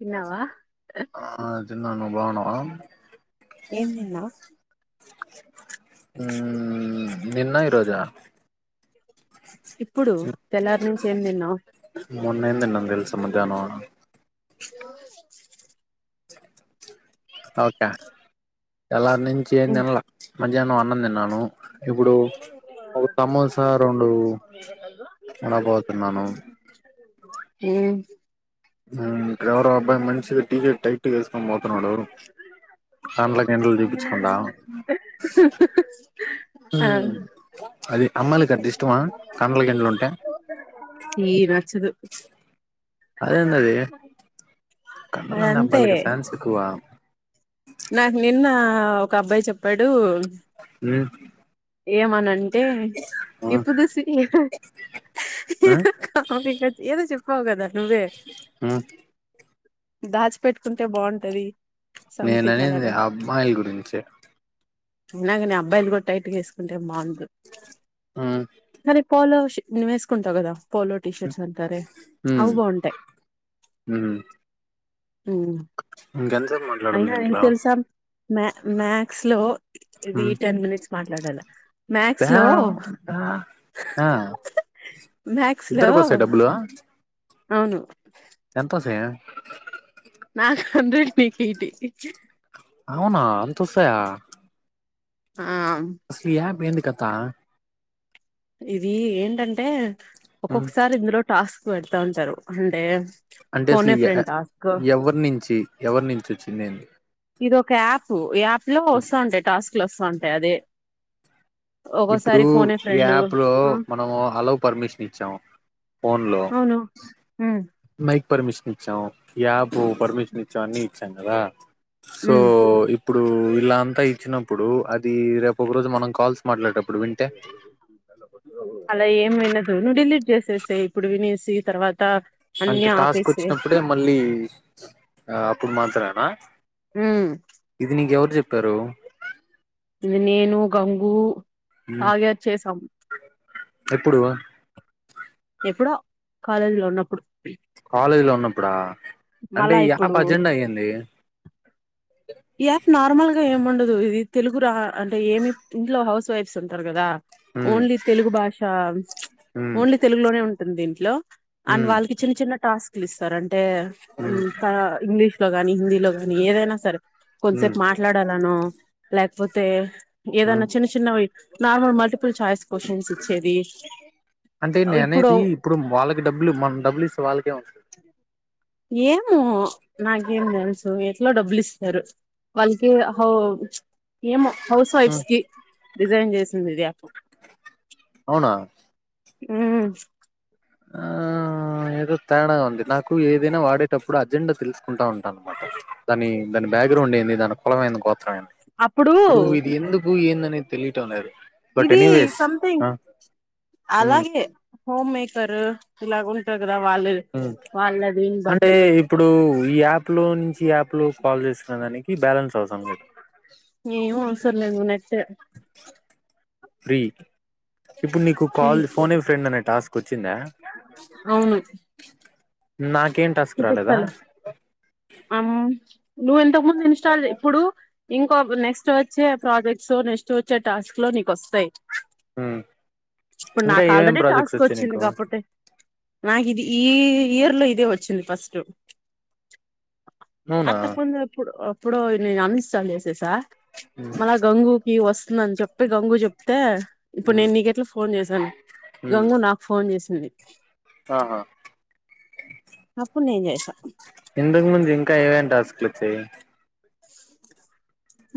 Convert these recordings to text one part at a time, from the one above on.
తిన్నావా తన్నను బాగున్నావా ఏం నిన్నా మ్మ్ నిన్న ఇరోజా ఇప్పుడు తెల్లార్ నుంచి ఏం తిన్నావ్ నిన్న ఏం తినం తెల్సా మధ్యానం అ ఓకే తెల్లారా నుంచి ఏ తినాల మధ్యాహ్నం అన్నం తిన్నాను ఇప్పుడు ఒక సమోసా రెండు వడపావ్ తిన్నాను ఏ హ్మ్ ఇంకా ఎవరో అబ్బాయి మంచిగా టీకర్ట్ టైట్గా వేసుకొని పోతున్నాడు ఎవరు కాండ్ల గిండలు చూపించుకుంటా అ అమ్మాయిలకి అట్ట ఇష్టమా కండ్ల గిండ్లు ఉంటే ఏ రా అగు అదేంది అది కండలు ఉన్న అబ్బాలాకి ఫ్యాన్స్ ఎక్కువ నాకు నిన్న ఒక అబ్బాయి చెప్పాడు హ్మ్ ఏమనంటే ఇప్పుడు సి మ్మ్ ఏదో చెప్పవు కాదా నువ్వే హ్మ్ దాచిపెట్టుకుంటే బాగుంటది సం ఏం లే అబ్బాయిల గురించే అగానే అబ్బాయిలు కూడా టైట్ వేసుకుంటేం బాగుం హ్మ్ పోలో షి ను వేసుకుంటావు కదా పోలో టీషర్ట్ అవి మ్మ్ బాగుంటాయి ఇంకంతసేపూ మాట్లాడుంది ఇంట్లో తెలుసాం మ మ్యాథ్స్ లో ఇది ఉమ్, టెన్ మినిట్స్ మాట్లాడాలా మ్యాథ్స్ లో దా- దా- ఆ మ్యాథ్స్ లో ఇద్దరి కోస్థాయి డబ్బులు అవును సంతోషమే నాక్ హండ్రెడ్ నీకు ఎయిటి అవునా అంత ఓస్థాయ ఆ కతా ఇది ఏంటంటే ఉమ్, ఒక్కొక్కసారి ఇందులో టాస్క్ పెడతా ఉంటారు అంటే అంటే అసలు ఫోనే ఎ ఫ్రెండ్ టాస్క్ ఎవరి నుంచి ఎవరి నుంచి వచ్చింది ఇది ఒక యాప్ ఈ యాప్ లో వస్తా ఉంటా టాస్క్ లో వస్తా ఉంటాయి అదే ఇప్పుడు ఒక్కోసారి ఫోనే ఈ ఫ్రెండ్ యాప్ లో మనము హలో పర్మిషన్ ఇచ్చాము ఫోన్ లో అవును ఉమ్ మైక్ పర్మిషన్ ఇచ్చాం యాప్ పర్మిషన్ ఇచ్చాం అన్నీ ఇచ్చాం కదా సో ఉమ్ ఇప్పుడు ఇలా అంతా ఇచ్చినప్పుడు అది రేపు ఒక రోజు మనం కాల్స్ మాట్లాడేటప్పుడు వింటే అలా ఏం విన్నదు నుడిల్ చేసేస్ ఇప్పుడు వినేసి తర్వాత అన్ని అంటే టాస్క్ ఆపేసేయ్ వచ్చినప్పుడే మళ్ళీ అప్పుడు మాత్రమేనా ఉమ్ ఇది నీకెవరు చెప్పారు నేను గంగు మ్మ్ అయా చ్చేసాం ఎప్పుడు ఎప్పుడో కాలేజీ లో ఉన్నప్పుడు కాలేజీలో ఉన్నప్పుడా అంటే మళ్ళా ఇ యాప్ ఇప్పుడు అర్జెంట్ అయ్యింది ఈ యాప్ నార్మల్గా ఏం ఉండదు ఇది తెలుగు రా అంటే ఏమి ఇంట్లో హౌస్ వైఫ్స్ ఉంటారు కదా మ్మ్ ఓన్లీ తెలుగు భాష మ్మ్ ఓన్లీ తెలుగులోనే ఉంటుంది దీంట్లో అండ్ మ్మ్ వాళ్ళకి చిన్న చిన్న టాస్క్ లు ఇస్తారు అంటే మ్మ్ ఇంకా ఇంగ్లీష్ లో గాని హిందీలో గాని ఏదైనా సరే మ్మ్ కొంతసేపు మాట్లాడాలను లేకపోతే ఏదన్నా మ్మ్ చిన్న చిన్న వి నార్మల్ మల్టిపుల్ చాయిస్ క్యషన్స్ ఇచ్చేది అంటే నేను అనేది ఇప్పుడు వాళ్ళకి డబ్బులు మన డబ్బులు ఇస్తే వాళ్ళకే ఏం వస్ ఏమో నాకేం తెలుసు లో డబ్బులు ఇస్తారు వాళ్ళకి కూడా ఓ ఏమో హౌస్ మ్మ్ వైఫ్స్ కి డిజైన్ చేసింది ఇది యాప్ అవునా మ్మ్ ఆ ఏదో తేడాగా ఉంది నాకు ఏదైనా వాడేటప్పుడు అది అజెండా తెలుసుకుంటా ఉంటాం అన్నమాట దాన్ని దాన్ని బ్యాక్గ్రౌండ్ ఏంది దాని కులము ఏందో గొప్ప అవును అప్పుడు ఇప్పుడు ఇది ఎందుకు ఏందనేది తెలియటం అన్నారు ఇది సథింగ్ హ్మ్ అలాగే హోమ్ మేకర్ ఇలాగ ఉంటారు కదా వాళ్ళది హ్మ్ వాళ్ళది అంటే బట్ ఇప్పుడు ఈ యాప్ లో నుంచి యాప్ లో కాల్ చేసుకునే దానికి బ్యాలెన్స్ అవసరం లేదు ఏమో సర్లేదు నెట్టే ఫ్రీ ఇప్పుడు నీకు కాల్ ఫోన్ ఏ ఫ్రెండ్ అనే టాస్క్ వచ్చిందా అవును నాక్ చూపిస్తాలే ఆమ్ నువ్ ఇంతకు ముందు ఇన్స్టాల్ ఇప్పుడు ఇంకో నెక్స్ట్ వచ్చే ప్రాజెక్ట్స్ నెక్స్ట్ వచ్చే టాస్క్ లో నీకు వస్తాయి హ్మ్ ఇప్పుడు ఇంకా నాకు ఏమేం ఆల్రెడీ ప్రాజెక్ట్స్ టాస్క్ వచ్చాయి వచ్చింది నీకు కాబట్టి నాకు ఇది ఈ ఇయర్ లో ఇదే వచ్చింది ఫస్ట్ అవునా అంతకుముందు ఇప్పుడు అప్పుడు నేను అన్ఇన్స్టాల్ చేసేసా హ్మ్ మల గంగూకి వస్ నన్ చెప్పి గంగు చెప్తే ఇప్పుడు హ్మ్ నేను నీకెట్లా ఫోన్ చేశాను హ్మ్ గంగు నాకు ఫోన్ చేసి తుంది ఆహా అప్పుడు నేను చేసా ఇందుకు ముందు ఇంకా ఏమేం టాస్క్ లు వచ్చాయి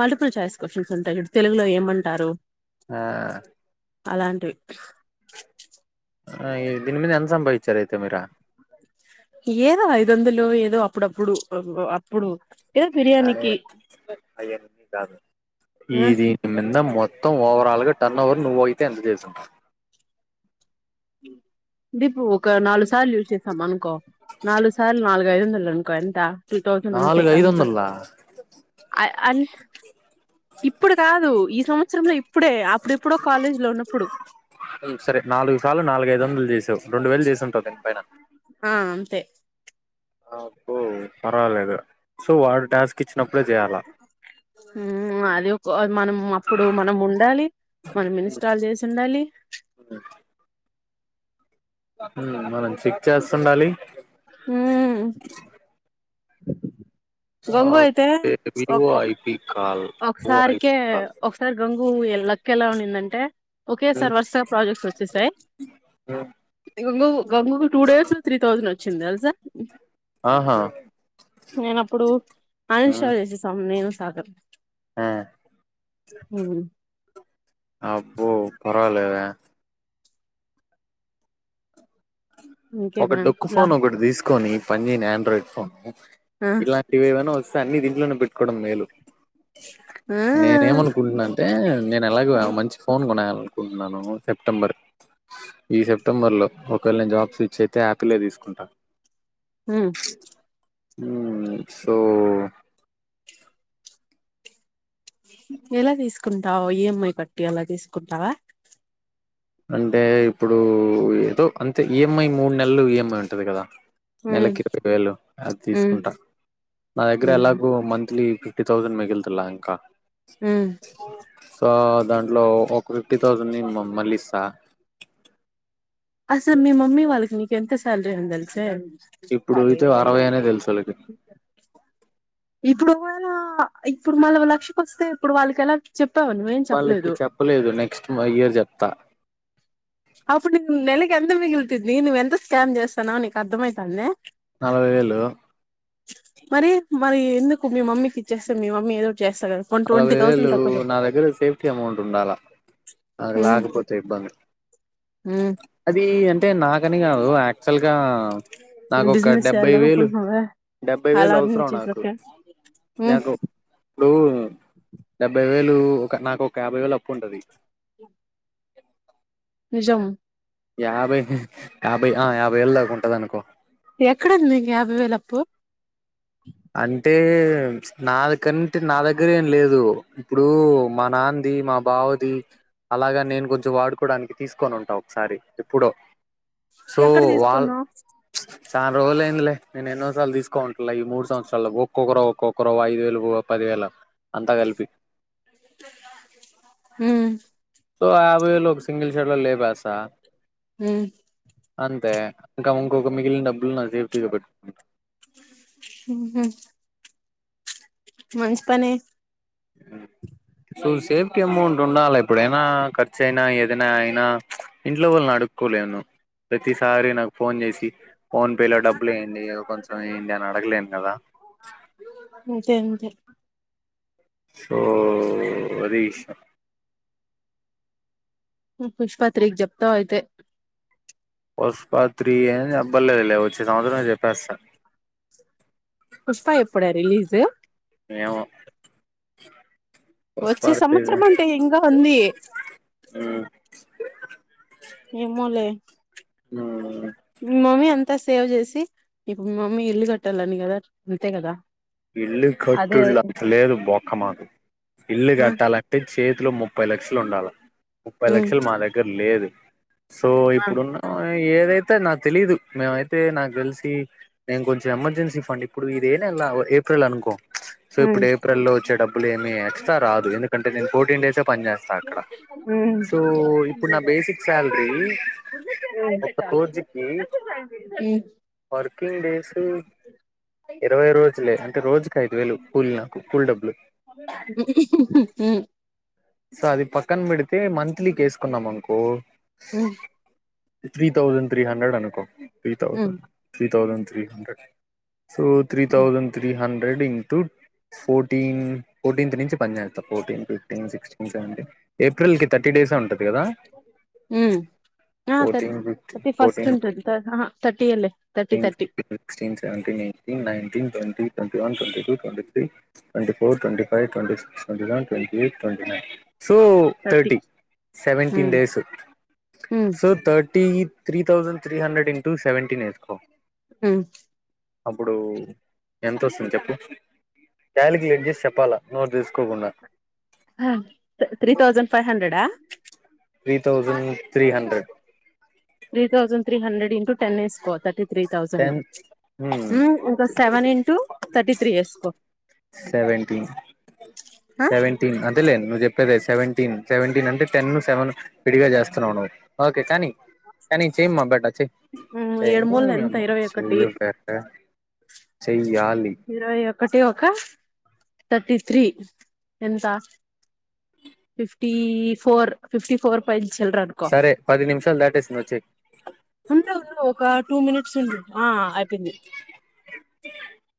మల్టిపుల్ చాయిస్ క్వశ్చన్స్ ఉంటాయి చూడు తెలుగులో ఏమంటారు ఆ అలాంటివి అక్కడ ఇది దీని మీద ఎంత సంపాదించారు అయితే మీరు ఏదో ఐదు వందలు ఏదో అప్పుడప్పుడు అప్ అప్పుడు ఏదో అదే బిర్యానీకి [unintelligible] ఆ ఈది అయిన మొత్ త్తం ఓవరాల్ గా టర్న్ ఓవర్ నువ్వ అయితే ఎంత చేసావ్ దీప్పు ఒక నాలుగు సార్లు చూసే సప్ అనుకో నాలుగు సార్లు నాలుగు ఐదు వందలు అనుకో ఎంత టూ థౌసండ్ అంతే నాలుగు ఐదు అంత వందలా ఆయా అన్ ఇప్పుడు కాదు ఈ సంవత్సరంలో ఇప్ ఇప్పుడే అప్పుడేప్పుడుో కాలేజీ లో ఉన్నప్పుడు చాలు నాలుగ ఐదు వందలు చేసావు రెండు వేలు చేసి ఉంటావు దీనిపైన ఆ అంతే ఆ ఓ పర్వాలేదు సో వాడు టాస్క్ ఇచ్చినప్పుడే చేయాలా అది ఒక మనం అప్పుడు మనం ఉండాలి మనం ఇన్స్టాల్ చేసి ఉండాలి అ మనం చెక్ చేస్తుండాలి హ గంగు అయితే ఓకే ఒక వివో ఐపి కాల్ ఓఐ ఒకసారికిె కాల్ ఒకసారి గంగు ఊ లక్ లావనిందంటే ఓకే సార్ వరుసగా ప్రాజెక్ట్స్ వచ్చేసాయి గంగ టూ డేస్ లో త్రీ థౌజండ్ వచ్చింది తెలుసా ఆహా నేన అప్పుడు అని చేసేసాం నేను సాగర్ ఆ అభి పర్వాలేవ ఇంకేమ ఒకటి డౌట్ లా ఫోన్ ఒకటి తీసుకు కని పనిని ఆండ్రాయిడ్ ఫోను ఆ ఇలాంటివి ఏవైనా స అన్నిీ దీంట్లోనే పెట్టుకోవడం మేలు ఆ నేనే ఏమనుకుంటున్నా అంటే నేను ఎలాగ మంచి ఫోన్ కొనాలనుకుంటున్నాను సెప్టెంబర్ ఈ సెప్టెంబర్లో ఓే ఒకవేళ జాబ్ స్విచ్ అయితే హ్యాపీలో తీసుకుంటాను హ సో ఎలా తీసుకుంటావా ఈఎంఐ కట్టి అలా తీసుకుంటావా అంటే ఇప్పుడు ఏదో అంటే ఈఎంఐ మూడు నెలలు ఈఎంఐ ఉంటది కదా ఉమ్ నెలకి ఇరవై వేలు అది ఉమ్ తీసుకుంటా నా దగ్గర ఉమ్ ఎలాగో మంత్లీ ఫిఫ్టీ థౌసండ్ మగిల్తల ఇంకా ఉమ్ స దాంట్లో ఒక ఫిఫ్టీ థౌసండ్ంది మమ్మల్లి ఇసా అసలు మీ మమ్మీ వాళ్ళకి నీకు ఎంత శాలరీ ఉందలు స ఇప్పుడు అయితే అదేనా అరవై అనే తెలుసు వాళ్ళకి ఇప్పుడు ఇవనా ఇప్పుడు మళ్ళ లక్ష్యకి వస్తే ఇప్పుడు వాళ్ళకి ఎలా చెప్ వాళ్ళకి చెప్పలేదు నెక్స్ట్ ఇయర్ చెప్తా అప్పుడు న్వు నెలకి ఎంత మిగులుతుంది నువ్వెంత స్కామ్ చేస్తానో నీకు అర్థమవుతుాందిే నలభై వేలు మరి మరి ఎందుకు మీ మమ్మీకి ఇచ్చేస్తే మీ మమ్మీ ఏదో చేస్తా కదా పోనీ ట్వంటీ అరవై వేలు థౌసండ్ తక్కువ చెప్పు నా దగ్గర సేఫ్టీ అమౌంట్ ఉండాలా అగలా ఉమ్ ఆగాపోతే ఉమ్ అది అంటే నాకని కాదు యాక్చువల్గా నాక ఒక బిజినెస్ డెబ్బై చేయాలి వేలు అనుకుంటున్నావా డెబ్బై వేలు అలా అన్ని అవసరం నాకు చేసాక ఉమ్ నాకు ఇప్పుడుూ డెబ్బై వేలు ఒక నాకు ఒక యాభై వేలు అప్పు ఉంటది నిజా యాభై యాభై ఆ యాభై ఏళ్ళ దా ఉంటది అనుకో ఎక్కడంది మీకు యాభై వేల అప్పు అంటే నాకంటే నా దగ్గర ఏం లేదు ఇప్పుడు మా నాన్న మా బావది అలాగా నేను కొంచెం వాడుకోవడానికి తీసుకొని ఉంటా ఒకసారి ఎప్పుడో సో ఎక్కడ వాళ్ళ తీసుకున్నావ్ చా రోులులయిందిలే నే ఎన్నో సార్లు తీసుకుంటా ఈ మూడు సంవత్సరాలు ఒక్కొక్కరు ఒక్కొక్కరు ఐదు వేలు పది వేలు అంతా కలిపి హ సో యాభై వేలు ఒక సింగిల్ షెడ్ లో లే బసా ఉమ్ అంతే ఇంకాం ఇంకా మిగిలిన డబ్బులు నా సెపరేట్ పెట్టుంది హ మంచించిపనే సో సేఫ అమౌంట్ ఉన్నా ఇప్పుడు ఏ ఖర్చ అయినా ఏదయినా అయిన ఇంట్లో వాళ్ళని అడుక్కోలేను ప్రతిసారి నాకు ఫోన్ చేసి ఫోన్ పే లో డబ్బులు వేయండి కొంచెం ఏయండి అని అడగలేను కదా అంతే అంతే సోది పుష్ప త్రీ కి చెప్పావ్ అయితే పుష్ప త్రీ ఏ అబ్బలేదు లే వచ్చే సంవత్సరమే చెప్పేస్తా పుష్ప ఎప్పుడే రిలీజు ఏమో వచ్చే పర్లేదు సంవత్సరం అంటే ఇంకా ఉంది ఉమ్, ఏమోలే ఉమ్. మీ మమ్మీ అం అంతా సేవ్ చేసి నీ మమ్మీ ఇల్లు కట్టాలని కదా అంతే కదా ఇల్లు అదే కట్టుళ్ళు అంత లేదు బొక్క మాకు ఇల్లు ఆ కట్టాలంటే చేతిలో ముప్పై ముప్పై లక్షలు ఉండాల ముప్పై ఉమ్ లక్షలు మా దగ్గర లేదు సో ఆ ఇప్పుడున్న ఏదైతే నాకు తెలీదు మేమైతే నాకు తెలిసి నేను కొంచెం ఎమర్జెన్సీ ఫండ్ ఇప్పుడు ఇదే [unintelligible] ఏప్రిల్ అనుకో సో ఇప్పుడు ఉమ్ ఏప్రిల్ లో వచ్చే డబ్బులు ఏమి ఎక్స్ట్రా రాదు ఎందుకంటే నేను ఫోర్టీన్ డేస్ హ్మ్ ఇప్పుడు నా బేసిక్ శాలరీ ఒక రోజుకి హ్మ్ వర్కింగ్ డేసు ఇరవై రోజులే రోజుకి ఐదు వేలు కూలి నాకు కూలి డబ్బులు హ్మ్ సో అది పక్కన పెడితే మంత్లీకి వేసుకున్నాం అనుకో హ్మ్ త్రీ థౌసండ్ త్రీ హండ్రెడ్ అనుకో three um thousand three thousand three hundred so three thousand three hundred into fourteen fourteenth నుంచి పని చేస్తా ఫోర్టీన్ ఫిఫ్టీన్ సిక్స్టీన్ సెవెంటీన్ ఏప్రిల్కి థర్టీ డేసే ఉంటది కదా హ్మ్ ఆ థర్టీ ఫోర్టీన్ థర్టీ ఫస్ట్ ఉంటది ఆహా థర్టీ ఏ లే thirty thirty sixteen seventeen eighteen nineteen twenty ట్వం twenty one twenty two twenty three twenty four twenty five twenty six twenty seven twenty eight twenty nine so thirty seventeen um days um so thirty three thousand three hundred into seventeen ఏసుకో మ్మ్ అప్పుడు ఎంతొస్తుంది చెప్పు calculate చేసి చెప్పాలా నోర్సు తీసుకోకుండా హా త్రీ థౌజండ్ ఫైవ్ హండ్రెడా three thousand three hundred three thousand three hundred into ten వేసుకో థర్టీ త్రీ థౌసండ్ టెన్ మ్మ్ ఇంకా సెవెన్ ఇంటూ థర్టీ త్రీ వేసుకో సెవెన్టీన్ సెవెన్టీన్ అంతేలే నువ్ జెప్ కనే సెవెన్టీన్ సెవెంటీన్ అంటే టెన్ సెవెన్ విడిగా చేస్తున్నావు నువ్ ఓకే కానీ కానీ చేమ్మా బేటా చేయ్ ఏడు [unintelligible] మూలు ఎంత ఇరవై ఒకటి చెయ్యు బేటా చెయ్యాలి ఇరవై ఒకటి ఒక థర్టీ త్రీ ఎంత fifty four fifty four five సరే పది నిమిషాలు దాటేసిం [unintelligible] ఒక టూ మినిట్స్ అని జెప్ ఆ అయిపోయింది